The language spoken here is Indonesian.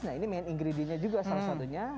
nah ini main ingredient nya juga salah satunya